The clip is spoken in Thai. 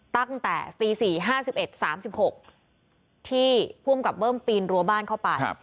ตั้งแต่ตี๔๕๑๓๖ที่ภูมิกับเบิ้มปีนรั้วบ้านเข้าไป